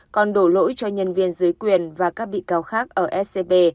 còn đổ lỗi cho nhân viên dưới quyền và các bị cáo khác ở scb